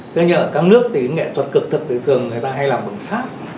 thế nhưng ở các nước thì nghệ thuật cực thực thì thường người ta hay làm bằng sát hay để trong nhà thôi